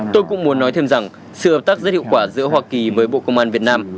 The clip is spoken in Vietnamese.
tôi cũng muốn nói thêm rằng sự hợp tác rất hiệu quả giữa hoa kỳ với bộ công an việt nam